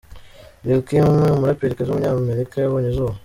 Lil' Kim, umuraperikazi w’umunyamerika yabonye izuba.